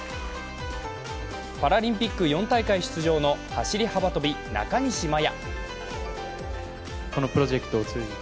パラリンピック４大会出場の走り幅跳び、中西麻耶。